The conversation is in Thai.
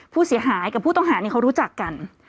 ผู้ต้องหากับผู้ต้องหาเขารู้จักกัน